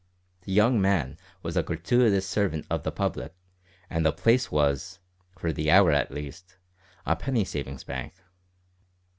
The young man was a gratuitous servant of the public, and the place was, for the hour at least, a penny savings bank.